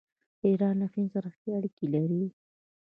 ایران له هند سره ښه اړیکې لري.